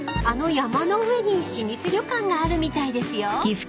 あの山の上に老舗旅館があるみたいですよ］